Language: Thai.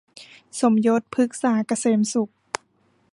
สมยศ พฤกษาเกษมสุข